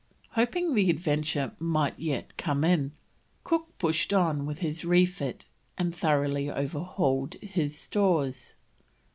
Hoping the Adventure might yet come in, Cook pushed on with his refit, and thoroughly overhauled his stores.